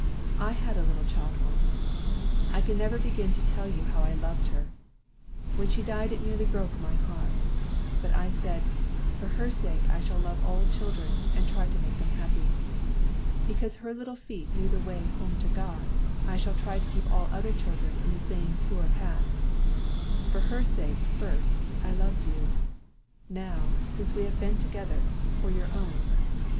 I had a little child once. I can never begin to tell you how I loved her. When she died it nearly broke my heart. But I said, for her sake I shall love all children, and try to make them happy. Because her little feet knew the way home to God, I shall try to keep all other children in the same pure path. For her sake, first, I loved you; now, since we have been together, for your own.